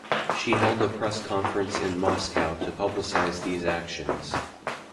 She held a press conference in Moscow to publicize these actions.